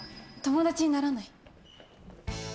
友達にならない？